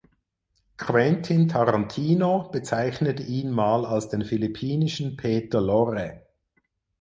Quentin Tarantino bezeichnete ihn mal als den philippinischen Peter Lorre.